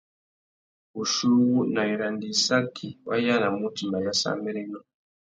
Wuchiuwú, nà wiranda-issaki, wa yānamú utimba ayássámbérénô.